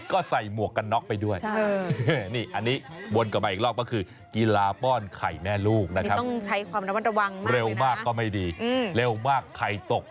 ใครตกใครแตกไม่ได้นะครับต้นตัดคะแนนนะคะ